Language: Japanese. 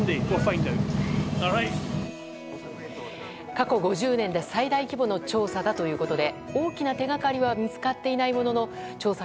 過去５０年で最大規模の調査だということで大きな手がかりは見つかっていないものの調査